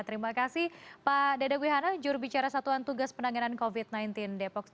terima kasih pak dada wihana jurubicara satuan tugas penanganan covid sembilan belas depok